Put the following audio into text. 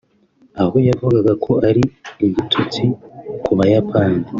aho yavugaga ko ari igitotsi ku bayapani